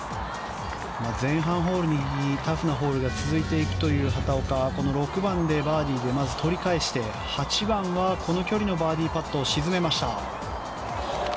前半ホールにタフなホールが続いているという畑岡は６番でバーディーで取り返して８番はこの距離のバーディーパットを沈めました。